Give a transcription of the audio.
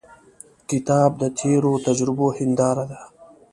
کتاب د تیرو تجربو هنداره ده.